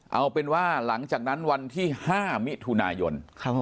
เอาเป็นว่าหลังจากนั้นวันที่๕มิถุนายน